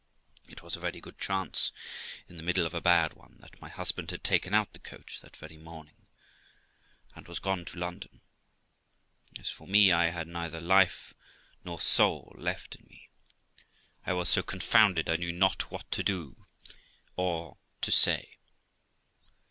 It was a very good chance, in the middle of a bad one, that my husband had taken out the coach that very morning, and was gone to London, As for me, I had neither life or soul left in me; I was so confounded I knew not what to do or to say.